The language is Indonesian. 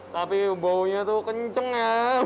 tapi baunya tuh kenceng ya